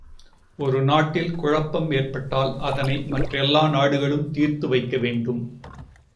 ஒரு நாட்டில் குழப்பம் ஏற்பட்டால் அதனை மற்றெல்லா நாடுகளும் தீர்த்து வைக்கவேண்டும்.